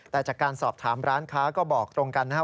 แต่จากการสอบถามร้านค้าก็บอกตรงกันนะครับ